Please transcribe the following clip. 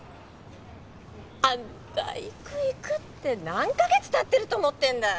アンタ行く行くって何カ月たってると思ってんだい